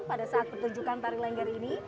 pada saat pertunjukan tari lengger ini